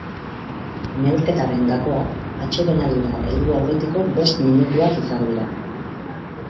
Neurketaren gakoa atsedenaldira heldu aurretiko bost minutuak izan dira.